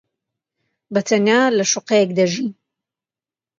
بەتەنیا لە شوقەیەک دەژی.